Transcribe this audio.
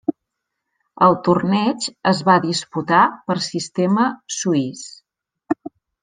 El torneig es va disputar per sistema suís.